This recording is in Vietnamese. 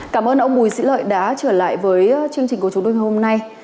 cảm ơn ông bùi sĩ lợi đã trở lại với chương trình của chúng tôi ngày hôm nay